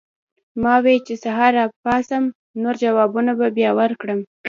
ما وې چې سحر راپاسم نور جوابونه به بیا ورکړم